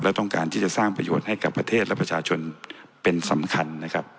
และต้องการที่จะสร้างประโยชน์ให้กับประเทศและประชาชนเป็นสำคัญนะครับ